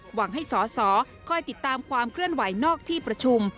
หวังให้สอสอคอยติดตามความเคลื่อนไหวนอกที่ประชุม